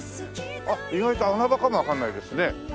あっ意外と穴場かもわかんないですね。